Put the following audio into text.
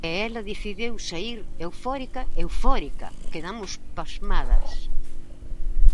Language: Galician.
E ela decidiu saír eufórica, eufórica, quedamos pasmadas.